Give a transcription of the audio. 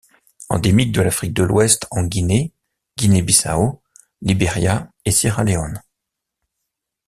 Endémique de l'Afrique de l'ouest en Guinée, Guinée-Bissau, Liberia et Sierra Leone.